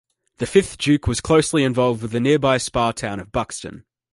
The fifth Duke was closely involved with the nearby spa town of Buxton.